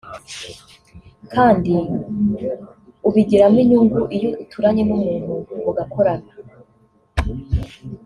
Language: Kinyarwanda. kandi ubigiramo inyungu iyo uturanye n’umuntu mugakorana